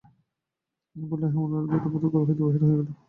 এই বলিয়া হেমনলিনী দ্রুতপদে ঘর হইতে বাহির হইয়া গেল।